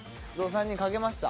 ３人書けました？